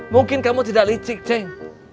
mungkin kamu tidak licik ceng